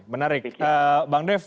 menarik bang dev